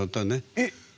えっ！